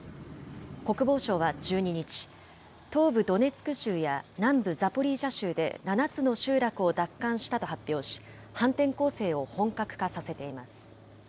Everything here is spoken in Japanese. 国防省は１２日、東部ドネツク州や南部ザポリージャ州で７つの集落を奪還したと発表し、反転攻勢を本格化させています。